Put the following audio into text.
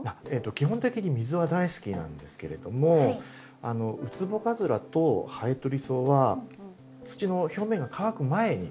基本的に水は大好きなんですけれどもウツボカズラとハエトリソウは土の表面が乾く前に。